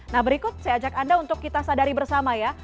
nah berikut saya ajak anda untuk kita sadari bersama ya